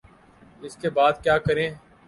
اس کے بعد کیا کریں؟